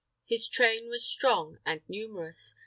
His train was strong and numerous.